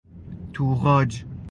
توغاج